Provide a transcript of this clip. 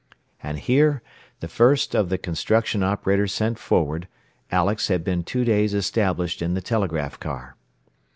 And here, the first of the construction operators sent forward, Alex had been two days established in the "telegraph car."